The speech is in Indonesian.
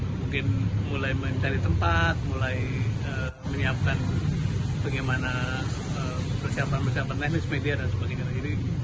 mungkin mulai mencari tempat mulai menyiapkan bagaimana persiapan persiapan teknis media dan sebagainya